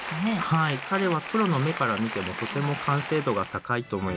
はい彼はプロの目から見てもとても完成度が高いと思います。